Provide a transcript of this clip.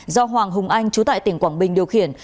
do hoàng hùng anh chú tại tỉnh quảng bình điều khiển